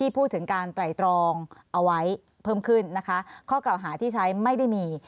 เพิ่มขึ้นนะคะข้อกล่าวหาที่ใช้ไม่ได้มี